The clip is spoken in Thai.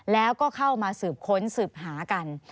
แล้วก็เข้ามาสืบค้นสืบหากัน